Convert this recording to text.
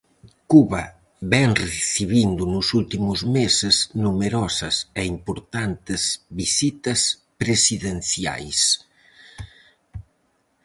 Cuba vén recibindo nos últimos meses numerosas e importantes visitas presidenciais.